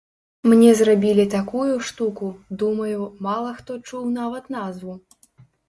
Мне зрабілі такую штуку, думаю, мала хто чуў нават назву.